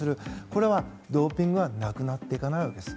これでは、ドーピングがなくなっていかないわけです。